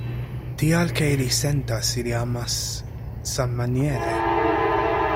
Tial ke ili sentas, ili amas sammaniere.